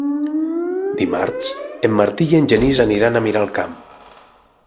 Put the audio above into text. Dimarts en Martí i en Genís aniran a Miralcamp.